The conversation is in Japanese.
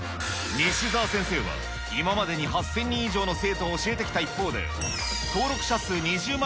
西澤先生は、今までに８０００人以上の生徒を教えてきた一方で、登録者数２０万